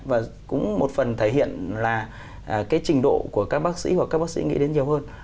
và cũng một phần thể hiện là cái trình độ của các bác sĩ hoặc các bác sĩ nghĩ đến nhiều hơn